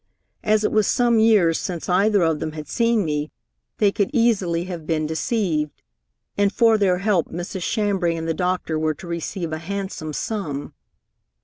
As it was some years since either of them had seen me, they could easily have been deceived. And for their help Mrs. Chambray and the doctor were to receive a handsome sum.